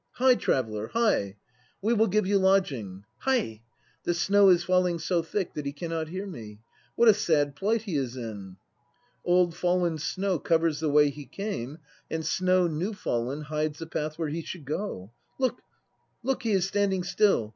Hie, traveller, hie! We will give you lodging. Hie! The snow is falling so thick that he cannot hear me. What a sad plight he is in. Old fallen snow covers the way he came and snow new fallen hides the path where he should go. Look, look! He is standing still.